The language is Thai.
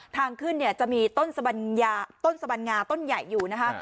ทางขึ้นเนี่ยจะมีต้นสบัญญาต้นสบัญญาต้นใหญ่อยู่นะคะ